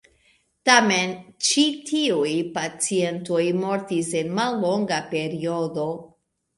Tamen ĉi tiuj pacientoj mortis en mallonga periodo.